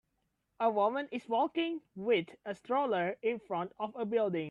A woman is walking with a stroller in front of a building.